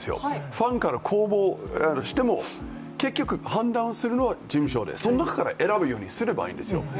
ファンから公募をしても、結局、判断するのは事務所でその中から選ぶようにすればいいんですよ。